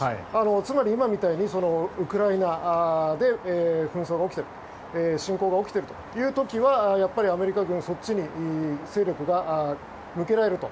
つまり今みたいにウクライナで紛争が起きている侵攻が起きているという時はアメリカ軍はそっちに戦力が向けられると。